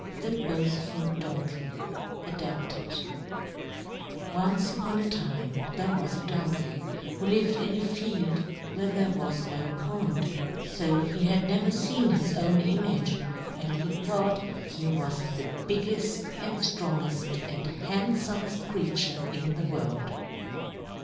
THE BOASTFUL DONKEY (Adapted) Once upon a time there was a donkey who lived in a field where there was no pond; so he had never seen his own image, and he thought he was the biggest and strongest and handsomest creature in the world.